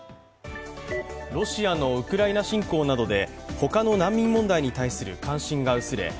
ロシアのウクライナ侵攻などで他の難民問題に対する関心が薄れ